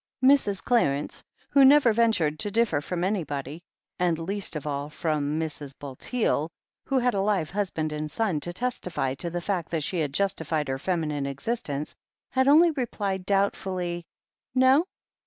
Mrs. Clarence, who never ventured to differ from anybody, and least of all from Mrs. Bulteel, who had a live husband and son to testify to the fact that she had justified her feminine existence, had only replied doubtfully : "No